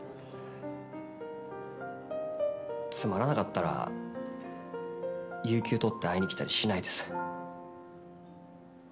つまらなかったら有給とって会いに来たりしないです。